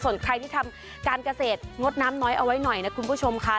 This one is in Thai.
ส่วนใครที่ทำการเกษตรงดน้ำน้อยเอาไว้หน่อยนะคุณผู้ชมค่ะ